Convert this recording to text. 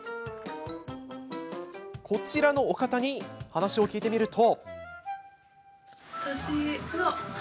こちらのお方にお話を聞いてみると。